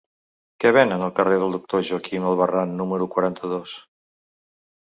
Què venen al carrer del Doctor Joaquín Albarrán número quaranta-dos?